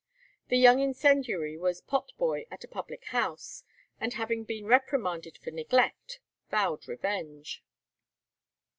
The young incendiary was pot boy at a public house, and having been reprimanded for neglect, vowed revenge.